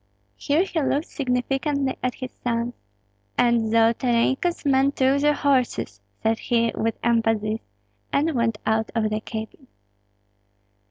Here he looked significantly at his sons. "And Zolotarenko's men took the horses," said he, with emphasis; and went out of the cabin.